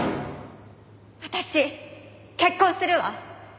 私結婚するわ。